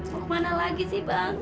mau ke mana lagi sih bang